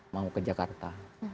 mau ke jakarta